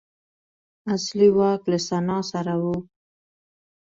اصلي واک له سنا سره و